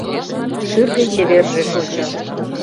Шӱргӧ чеверже шочо.